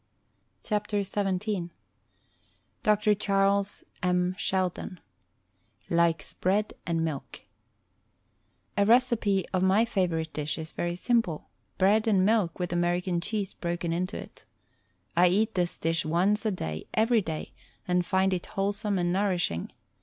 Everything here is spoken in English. THE STAG COOK BOOK XVII L>r. Charles M, Sheldon LIKES BREAD AND MILK A recipe of my favorite dish is very simple — ^bread and milk with American cheese broken into it. I eat this dish once a day every day and find it wholesome and nourishing.